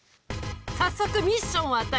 早速ミッションを与える。